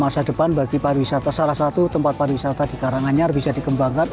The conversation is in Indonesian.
salah satu tempat pariwisata di karanganyar bisa dikembangkan